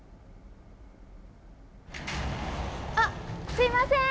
あっすいません！